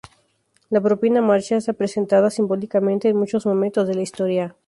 La propia marcha está representada simbólicamente en muchos momentos de la historia.